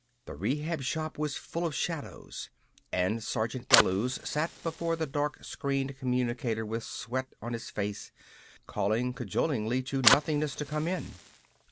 The Rehab Shop was full of shadows. And Sergeant Bellews sat before the dark screened communicator with sweat on his face, calling cajolingly to nothingness to come in.